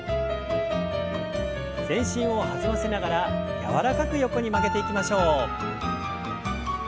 全身を弾ませながら柔らかく横に曲げていきましょう。